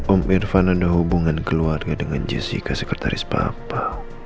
om irfan ada hubungan keluarga dengan jessica sekretaris papa